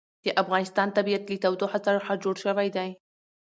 د افغانستان طبیعت له تودوخه څخه جوړ شوی دی.